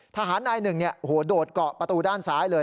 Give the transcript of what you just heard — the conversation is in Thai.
ทหารนายหนึ่งโดดเกาะประตูด้านซ้ายเลย